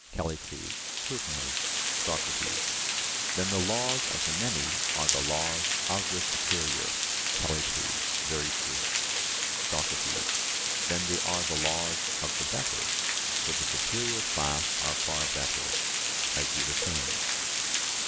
CALLICLES: Certainly. SOCRATES: Then the laws of the many are the laws of the superior? CALLICLES: Very true. SOCRATES: Then they are the laws of the better; for the superior class are far better, as you were saying?